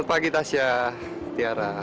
selamat pagi tasya tiara